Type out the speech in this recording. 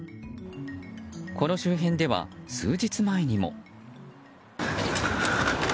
この周辺では数日前にも。